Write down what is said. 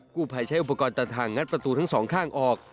กู้ภัยใช้อุปกรณ์ตัดทางงัดประตูทั้งสองข้างออก